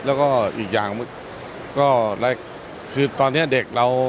แล้วก็อีกอย่างก็คือตอนนี้เด็กเรา